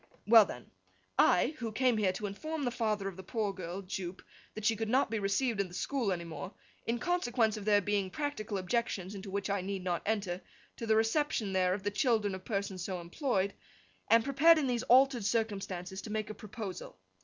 'Well then. I, who came here to inform the father of the poor girl, Jupe, that she could not be received at the school any more, in consequence of there being practical objections, into which I need not enter, to the reception there of the children of persons so employed, am prepared in these altered circumstances to make a proposal.